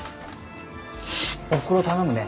おふくろ頼むね。